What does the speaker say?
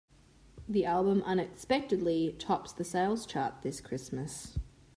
The album unexpectedly tops the sales chart this Christmas.